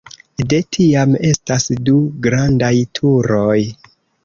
De tiam estas du grandaj turoj.